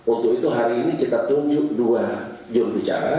untuk itu hari ini kita tunjuk dua juru bicara